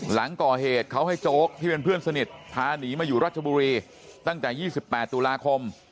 หลังก่อเหตุเขาให้โจ๊กที่เป็นเพื่อนสนิทพาหนีมาอยู่รัชบุรีตั้งแต่๒๘ตุลาคม